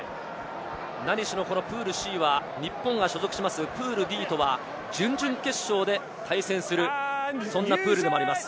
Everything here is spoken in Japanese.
何しろプールＣは、日本が所属するプールＤとは準々決勝で対戦するプールでもあります。